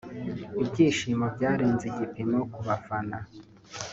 Ibyishimo byarenze igipimo ku bafana